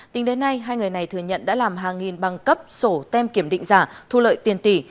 tính đến nay hai người này thừa nhận đã làm hàng nghìn bằng cấp sổ tem kiểm định giả thu lợi tiền tỷ